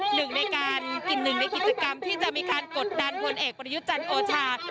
หนึ่งในกิจกรรมที่จะมีการกดดันวนเอกประยุจรรย์โอชาธิ์